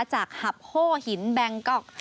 จากหับโฮหินบางกอก